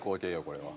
これは。